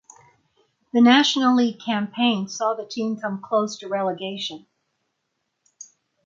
The National League campaign saw the team come close to relegation.